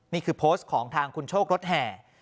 นี่คือโพสต์ของทางคุณโชครถแห่